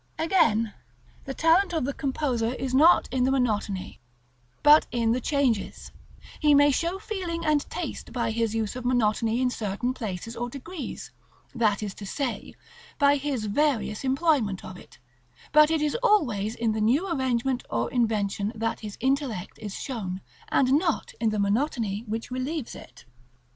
§ XXXVI. Again: the talent of the composer is not in the monotony, but in the changes: he may show feeling and taste by his use of monotony in certain places or degrees; that is to say, by his various employment of it; but it is always in the new arrangement or invention that his intellect is shown, and not in the monotony which relieves it.